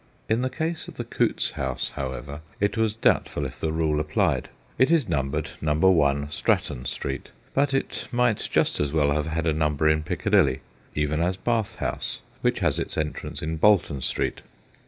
In the case of the Coutts house, however, it was doubt ful if the rule applied. It is numbered No. 1 Stratton Street, but it might just as well have had a number in Piccadilly, even as Bath House, which has its entrance in Bolton Street.